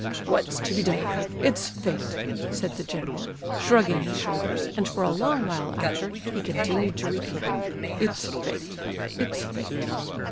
"What's to be done? It's fate," said the general, shrugging his shoulders, and, for a long while after, he continued to repeat: "It's fate, it's fate!"